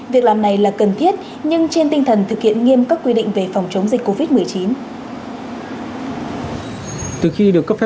việc làm này là cần thiết nhưng trên tinh thần thực hiện nghiêm các quy định về phòng chống dịch covid một mươi chín